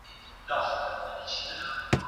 جنګونه د بشري حقونو ضد دي.